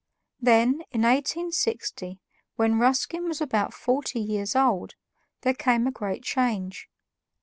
Then, in 1860, when Ruskin was about forty years old, there came a great change.